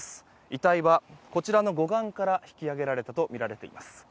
遺体は護岸から引き上げられたとみられています。